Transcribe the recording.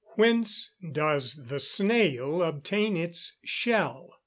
1306. _Whence does the snail obtain its shell?